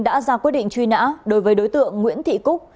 đã ra quyết định truy nã đối với đối tượng nguyễn thị cúc